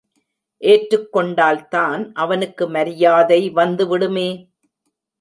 ஏற்றுக்கொண்டால்தான் அவனுக்கு மரியாதை வந்து விடுமே!